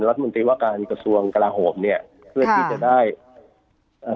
รัฐมนตรีว่าการกระทรวงกลาโหมเนี้ยเพื่อที่จะได้เอ่อ